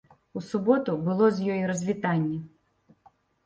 У суботу было з ёй развітанне.